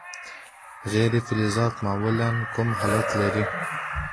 غیر فلزات معمولا کوم حالت لري.